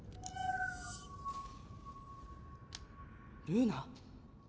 ルーナ？